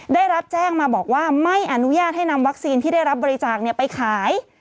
ได้รับแจ้งมาบอกว่าไม่อนุญาตให้นำวัคซีนที่ได้รับบริจาคไปขาย